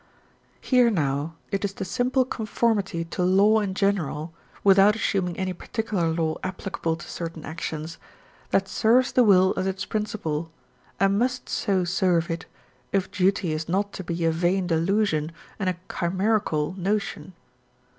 Here, now, it is the simple conformity to law in general, without assuming any particular law applicable to certain actions, that serves the will as its principle and must so serve it, if duty is not to be a vain delusion and a chimerical notion.